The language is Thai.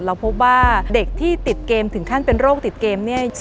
เราพบว่าเด็กที่ติดเกมถึงขั้นเป็นโรคติดเกมเนี่ย